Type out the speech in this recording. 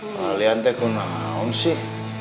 kalian tuh kenapa sih